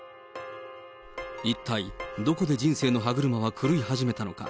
一体どこで人生の歯車は狂い始めたのか。